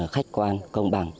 khách quan công ty